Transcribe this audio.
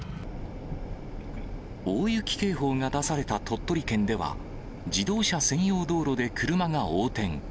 大雪警報が出された鳥取県では、自動車専用道路で車が横転。